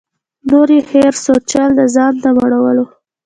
نور یې هېر سو چل د ځان د مړولو